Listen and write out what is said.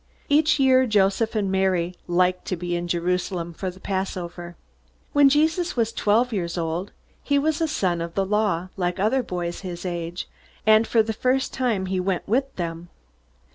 Each year Joseph and Mary liked to be in Jerusalem for the Passover. When Jesus was twelve years old, he was "a son of the Law," like other boys his age, and for the first time he went with them.